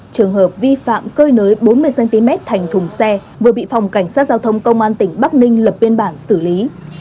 trường hợp vi phạm cơi nới bốn mươi cm thành thùng xe vừa bị phòng cảnh sát giao thông công an tỉnh bắc ninh lập biên bản xử lý